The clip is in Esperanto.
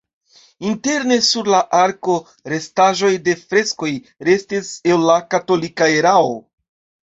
Interne sur la arko restaĵoj de freskoj restis el la katolika erao.